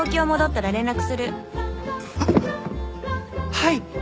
はい！